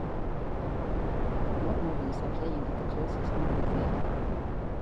What movies are playing at the closest movie theatre